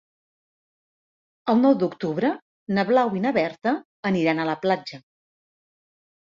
El nou d'octubre na Blau i na Berta aniran a la platja.